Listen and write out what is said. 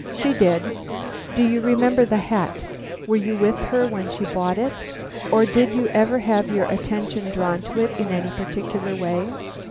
"She did." "Do you remember the hat? Were you with her when she bought it, or did you ever have your attention drawn to it in any particular way?"